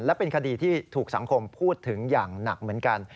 และเป็นคดีที่ถูกสังคมพูดถึงอย่างหนักเหมือนกัน